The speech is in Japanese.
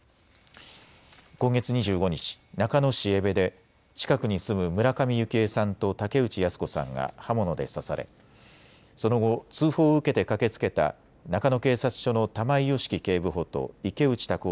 今月２５日、中野市江部で近くに住む村上幸枝さんと竹内やす子さんが刃物で刺され、その後、通報を受けて駆けつけた中野警察署の玉井良樹警部補と池内卓夫